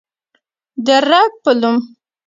درګ په لومړي سر کې له یو سل اوه استازو څخه جوړ شوی و.